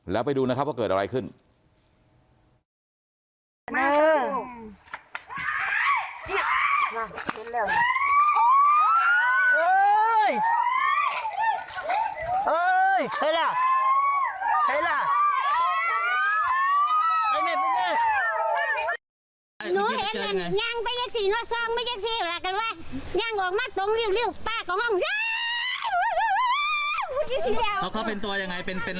แล้วไปดูนะครับว่าเกิดอะไรขึ้น